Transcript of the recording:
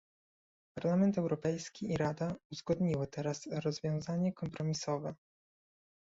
Parlament Europejski i Rada uzgodniły teraz rozwiązanie kompromisowe